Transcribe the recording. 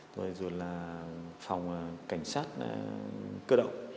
rồi là phòng cảnh sát cơ động